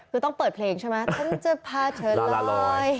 คือต้องเปิดเพลงใช่ไหมฉันจะพาเชิญลอย